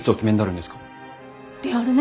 であるね。